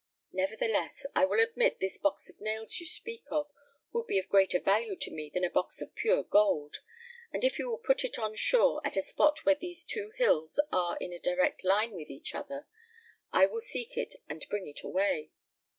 Nevertheless, I will admit, this box of nails you speak of would be of greater value to me than a box of pure gold, and if you will put it on shore at a spot where these two hills are in a direct line with each other, I will seek it and bring it away.